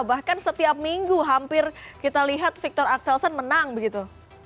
bahkan setiap minggu hampir kita lihat victor axelsen menang begitu